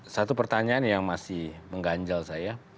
satu pertanyaan yang masih mengganjal saya